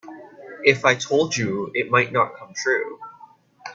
If I told you it might not come true.